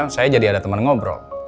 saya jadi ada teman ngobrol